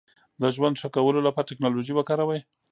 د ژوند ښه کولو لپاره ټکنالوژي وکاروئ.